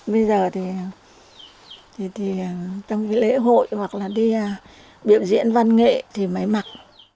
bây giờ thì trong cái lễ hội hoặc là đi biệm diễn văn nghệ thì mới mặc